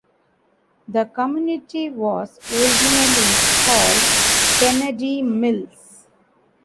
The community was originally called Kennedy Mills.